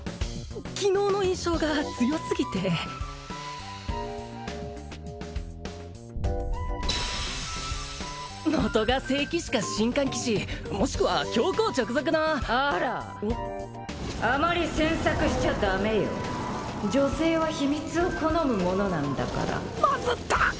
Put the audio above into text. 昨日の印象が強すぎて元が聖騎士か神官騎士もしくは教皇直属のあらあまり詮索しちゃダメよ女性は秘密を好むものなんだからマズった！